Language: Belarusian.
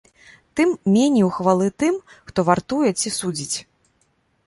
Тым меней ухвалы тым, хто вартуе ці судзіць.